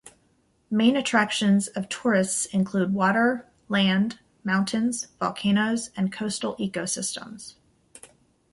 Main attractions of tourists include water, land, mountains, volcanos, and coastal ecosystems.